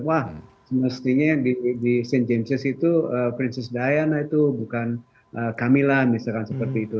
wah semestinya di st james itu princess diana itu bukan camilla misalkan seperti itu